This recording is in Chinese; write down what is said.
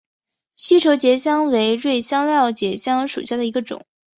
西畴结香为瑞香科结香属下的一个种。